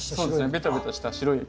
ベタベタした白い液。